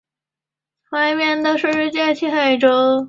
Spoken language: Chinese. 樊集乡是中国江苏省盐城市滨海县下辖的一个乡。